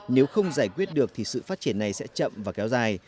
nếu không giải quyết được thì sự phát triển này sẽ chậm và kéo dài